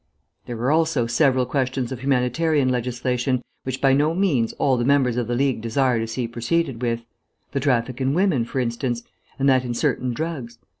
There are also several questions of humanitarian legislation, which by no means all the members of the League desire to see proceeded with the traffic in women, for instance, and that in certain drugs.